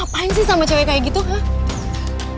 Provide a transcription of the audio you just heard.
lo ngapain sih sama cewek kayak gitu hah